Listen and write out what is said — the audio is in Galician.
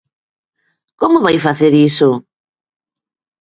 ¿Como vai facer iso?